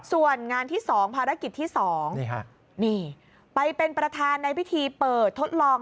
ส่วนงานที่๒ภารกิจที่๒นี่ไปเป็นประธานในพิธีเปิดทดลอง